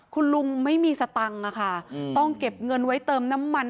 คุณลุงไม่มีสตังค์ค่ะต้องเก็บเงินไว้เติมน้ำมัน